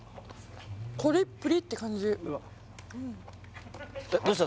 コリップリッて感じえっどうした？